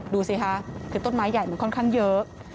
ดูสิคะคือต้นไม้ใหญ่มันค่อนข้างเยอะ